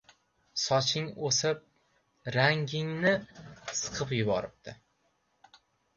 — Soching o‘sib rangingni siqib yuboribdi.